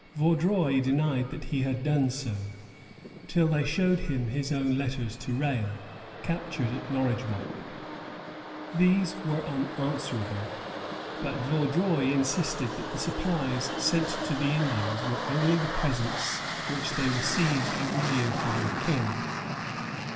Vaudreuil denied that he had done so, till they showed him his own letters to Rale, captured at Norridgewock. These were unanswerable; but Vaudreuil insisted that the supplies sent to the Indians were only the presents which they received every year from the King.